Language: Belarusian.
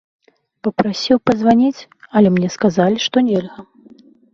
Папрасіў пазваніць, але мне сказалі, што нельга.